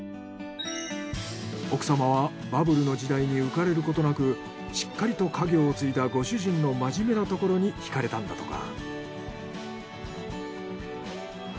奥様はバブルの時代に浮かれることなくしっかりと家業を継いだご主人の真面目なところに惹かれたんだとか。